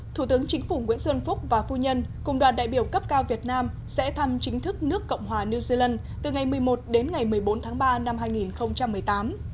thủ tướng chính phủ nguyễn xuân phúc và phu nhân cùng đoàn đại biểu cấp cao việt nam sẽ thăm chính thức nước cộng hòa new zealand từ ngày một mươi một đến ngày một mươi bốn tháng ba năm hai nghìn một mươi tám